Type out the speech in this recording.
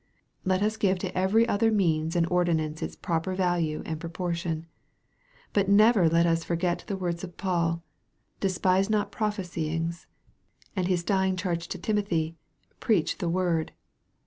Let us give to every other means and ordinance its proper value and proportion. But nevei let us forget the words of Paul, " despise not prophesy ings," and his dying charge to Timothy, " Preach the word."